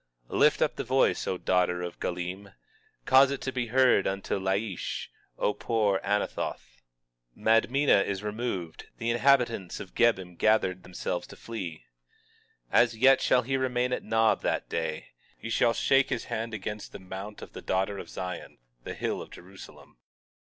20:30 Lift up the voice, O daughter of Gallim; cause it to be heard unto Laish, O poor Anathoth. 20:31 Madmenah is removed; the inhabitants of Gebim gather themselves to flee. 20:32 As yet shall he remain at Nob that day; he shall shake his hand against the mount of the daughter of Zion, the hill of Jerusalem.